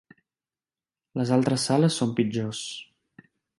Les altres sales són pitjors.